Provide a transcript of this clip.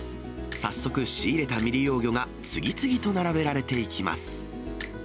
早速、仕入れた未利用魚が次々と並べられていきます。